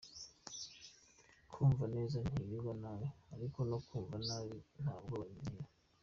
Kumvuga neza, ntibingwa nabi; ariko no kumvuga nabi, nta bwoba bintera.